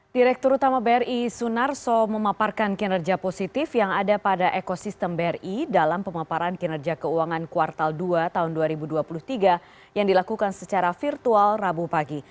direktur utama bri sunarso memaparkan kinerja positif yang ada pada ekosistem bri dalam pemaparan kinerja keuangan kuartal dua tahun dua ribu dua puluh tiga yang dilakukan secara virtual rabu pagi